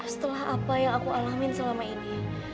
setelah apa yang aku alamin selama ini